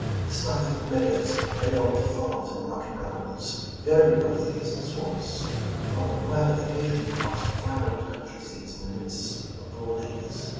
The Stuyvesant meadows led on to farms and market gar dens, varied by thickets and swamps, while the rider occasionally passed fine old country seats in the midst of broad acres.